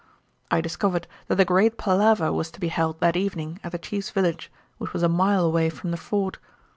I discovered that a great palaver was to be held that evening at the chief's village, which was a mile away from the fort.